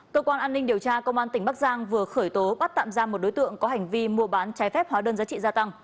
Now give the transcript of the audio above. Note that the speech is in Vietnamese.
cơ quan an ninh điều tra công an tỉnh bắc giang vừa khởi tố bắt tạm ra một đối tượng có hành vi mua bán trái phép hóa đơn giá trị gia tăng